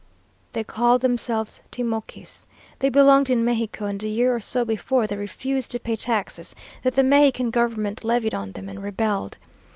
"They called themselves Timochis. They belonged in Mexico, and a year or so before they refused to pay taxes that the Mexican government levied on them, and rebelled.